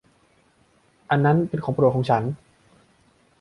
อันนั้นเป็นของโปรดของฉัน !